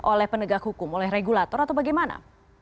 oleh penegak hukum oleh regulator atau bagaimana